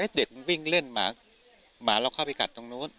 เด็กมันวิ่งเล่นหมาเราเข้าไปกัดตรงนู้น